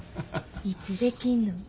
いつできんの？